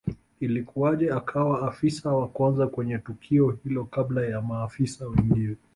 Ilikuwaje akawa Afisa wa kwanza kuwa kwenye tukio kabla ya maafisa wengine